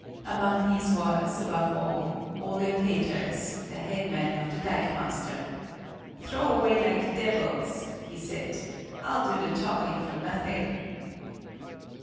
Among these was, above all, Ole Peters, the head man of the dikemaster. "Throw away like devils!" he said; "I'll do the talking for nothing!"